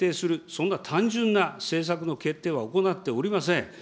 そんな単純な政策の決定は行っておりません。